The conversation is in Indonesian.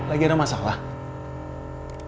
ada masalah lagi